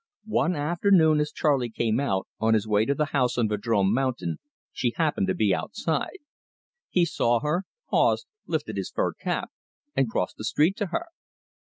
One afternoon, as Charley came out, on his way to the house on Vadrome Mountain, she happened to be outside. He saw her, paused, lifted his fur cap, and crossed the street to her.